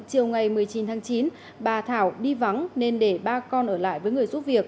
chiều ngày một mươi chín tháng chín bà thảo đi vắng nên để ba con ở lại với người giúp việc